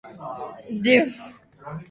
国縫駅